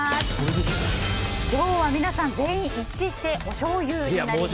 今日は皆さん全員一致しておしょうゆになりました。